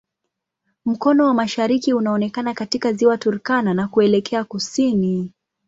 Mkono wa mashariki unaonekana katika Ziwa Turkana na kuelekea kusini.